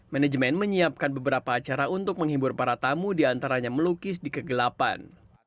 manajemen menyiapkan beberapa acara untuk menghibur para tamu diantaranya melukis di kegelapan